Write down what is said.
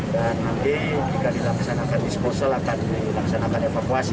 dan nanti jika dilaksanakan disposal akan dilaksanakan evakuasi